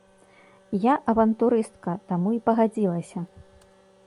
Я авантурыстка, таму і пагадзілася.